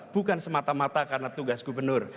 bukan semata mata karena tugas gubernur